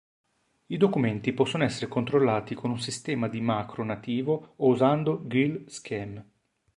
I documenti possono essere controllati con un sistema di macro nativo o usando Guile-Scheme.